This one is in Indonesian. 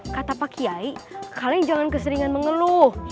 kata pak kiai kalian jangan keseringan mengeluh